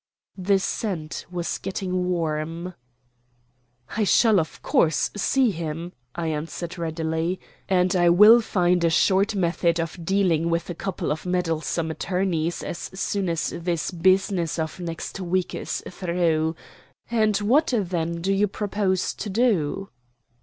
The scent was getting warm. "I shall of course see him," I answered readily. "And I will find a short method of dealing with a couple of meddlesome attorneys as soon as this business of next week is through. And what then do you propose to do?"